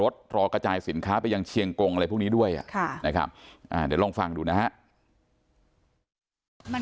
เดี๋ยวลองฟังดูนะฮะ